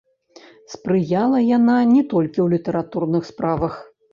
Спрыяла яна не толькі ў літаратурных справах.